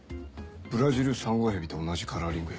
ブラジルサンゴヘビと同じカラーリングや。